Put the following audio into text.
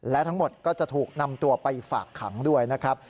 และทั้งหมดก็จะถูกนำตัวไปฝากขังด้วยนะครับ